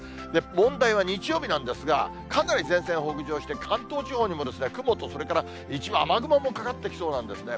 問題は日曜日なんですが、かなり前線、北上して、関東地方にも、雲と、それから一部、雨雲もかかってきそうなんですね。